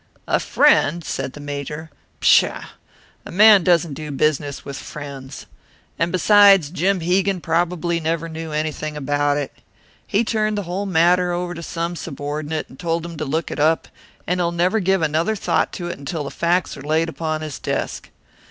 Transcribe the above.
"A friend?" said the Major. "Pshaw! A man doesn't do business with friends. And, besides, Jim Hegan probably never knew anything about it. He turned the whole matter over to some subordinate, and told him to look it up, and he'll never give another thought to it until the facts are laid upon his desk.